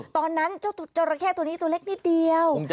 ตอนนั้นเจ้าจราเข้ตัวนี้ตัวเล็กนิดเดียว